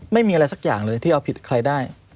ไม่มีอะไรสักอย่างเลยที่เอาผิดใครได้